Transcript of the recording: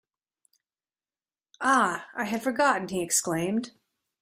Ah, I had forgotten, he exclaimed.